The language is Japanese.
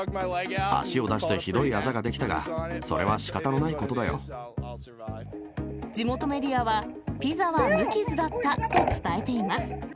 足を出してひどいあざが出来たが、地元メディアは、ピザは無傷だったと伝えています。